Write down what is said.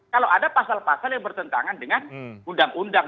kalau ada pasal pasal yang bertentangan dengan undang undang